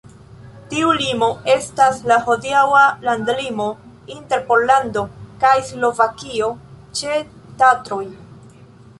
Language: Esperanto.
Tiu limo estas la hodiaŭa landlimo inter Pollando kaj Slovakio ĉe Tatroj.